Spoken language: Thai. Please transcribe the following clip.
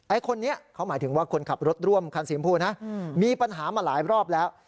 คนนี้เขาหมายถึงว่าคนขับรถร่วมคันสีชมพูนะมีปัญหามาหลายรอบแล้ว